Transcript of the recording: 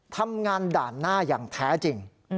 ทำงานด่านหน้าอย่างแท้จริง